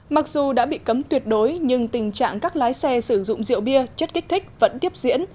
mặc dù đã bị cấm tuyệt đối nhưng tình trạng các lái xe sử dụng rượu bia chất kích thích vẫn tiếp diễn